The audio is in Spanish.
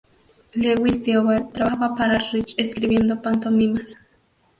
Lewis Theobald trabajaba para Rich escribiendo pantomimas.